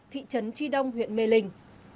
thị trấn tri đông huyện mê linh